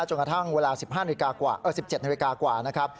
จนกระทั่งเวลา๑๗นิริกากว่า